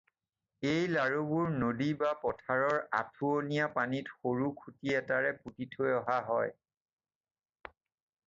এই লাৰুবোৰ নদী বা পথাৰৰ আঁঠুৱনীয়া পানীত সৰু খুটি এটাৰে পুতি থৈ অহা হয়।